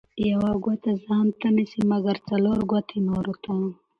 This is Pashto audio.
ـ يوه ګوته ځانته نه نيسي، مګر څلور ګوتې نورو ته.